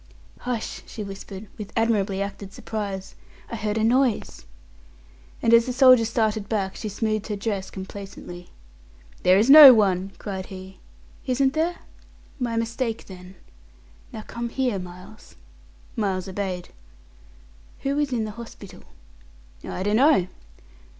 "Hush!" she whispered, with admirably acted surprise "I heard a noise!" and as the soldier started back, she smoothed her dress complacently. "There is no one!" cried he. "Isn't there? My mistake, then. Now come here, Miles." Miles obeyed. "Who is in the hospital?" "I dunno."